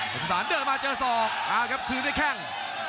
กฏศาลเดินมาเจอสอกอ่าครับคืนเป็นแข้ง